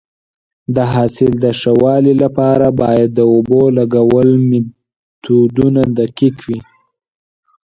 د حاصل د ښه والي لپاره باید د اوبو لګولو میتودونه دقیق وي.